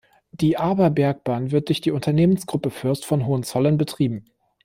Die Arber-Bergbahn wird durch die Unternehmensgruppe Fürst von Hohenzollern betrieben.